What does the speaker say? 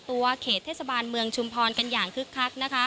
เขตเทศบาลเมืองชุมพรกันอย่างคึกคักนะคะ